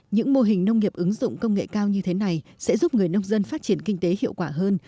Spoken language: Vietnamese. những mô hình nông nghiệp ứng dụng công nghệ cao như thế này sẽ giúp người nông dân phát triển kinh tế hiệu quả hơn